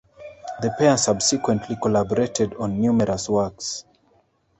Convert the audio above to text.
The pair subsequently collaborated on numerous works.